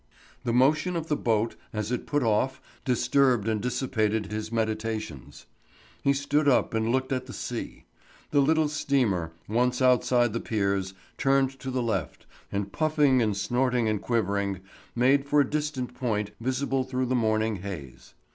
The motion of the boat as it put off disturbed and dissipated his meditations. He stood up and looked at the sea. The little steamer, once outside the piers, turned to the left, and puffing and snorting and quivering, made for a distant point visible through the morning haze.